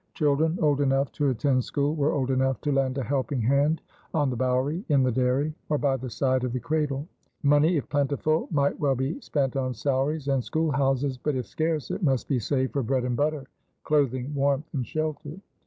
Children old enough to attend school were old enough to lend a helping hand on the bouwerie, in the dairy, or by the side of the cradle. Money if plentiful might well be spent on salaries and schoolhouses; but if scarce, it must be saved for bread and butter, clothing, warmth, and shelter.